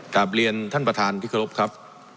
กลับเรียนท่านประธานพิคลพครับ